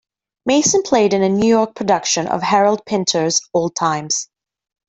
Mason played in a New York production of Harold Pinter's Old Times.